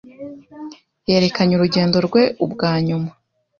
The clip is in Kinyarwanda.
yerekanye urugendo rwe Ubwanyuma